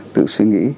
tự suy nghĩ